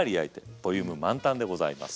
ボリューム満タンでございます。